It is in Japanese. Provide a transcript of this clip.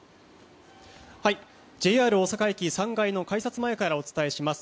ＪＲ大阪駅３階の改札前からお伝えします。